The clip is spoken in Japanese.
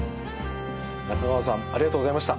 中川さんありがとうございました。